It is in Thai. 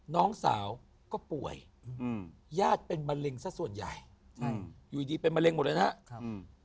น้องสาวก็ป่วยอืมญาติเป็นมะเร็งซะส่วนใหญ่อยู่ดีเป็นมะเร็งหมดเลยนะครับ